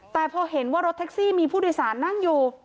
แต่พอเห็นว่ารถแท็กซี่มีผู้โดยสารนั่งอยู่